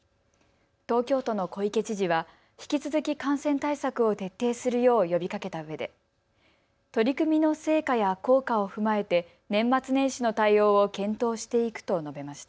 東京都の小池知事は引き続き感染対策を徹底するよう呼びかけたうえで取り組みの成果や効果を踏まえて年末年始の対応を検討していくと述べました。